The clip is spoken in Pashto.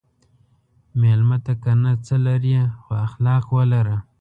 مېلمه ته که نه څه لرې، خو اخلاق ولره.